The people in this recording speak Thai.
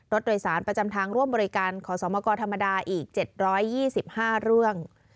รถโดยสารประจำทางร่วมบริการขอสอมกรธรรมดาอีกเจ็ดร้อยยี่สิบห้าเรื่อง